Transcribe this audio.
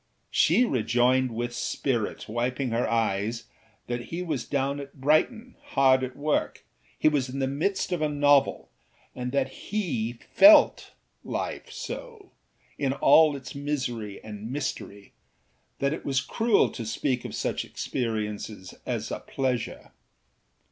She rejoined with spirit, wiping her eyes, that he was down at Brighton hard at workâhe was in the midst of a novelâand that he felt life so, in all its misery and mystery, that it was cruel to speak of such experiences as a pleasure.